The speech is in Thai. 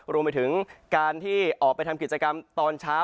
รวมไปถึงการที่ออกไปทำกิจกรรมตอนเช้า